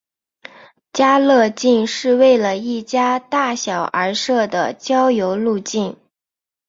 家乐径是为了一家大小而设的郊游路径。